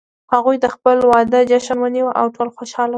هغوی د خپل واده جشن ونیو او ټول خوشحال وو